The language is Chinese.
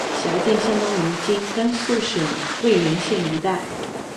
辖境相当今甘肃省渭源县一带。